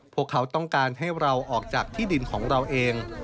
พวกเขาต้องการให้เราออกจากที่ดินของเราเอง